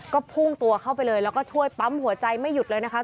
ก็พุ่งตัวเข้าไปเลยแล้วก็ช่วยปั๊มหัวใจไม่หยุดเลยนะคะ